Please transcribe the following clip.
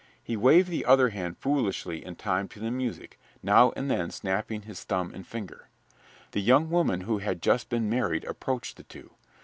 He waved the other hand foolishly in time to the music, now and then snapping his thumb and finger. The young woman who had just been married approached the two.